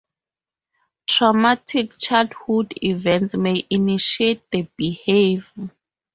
Traumatic childhood events may initiate the behavior.